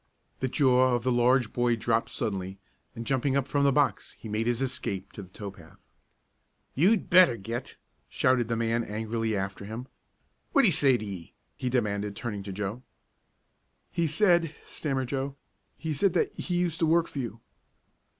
The jaw of the large boy dropped suddenly, and jumping up from the box he made his escape to the tow path. "You'd better git!" shouted the man angrily after him. "What'd he say to ye?" he demanded, turning to Joe. "He said," stammered Joe, "he said that he used to work for you."